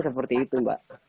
seperti itu mbak